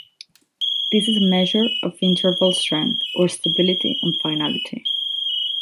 This is a measure of interval strength or stability and finality.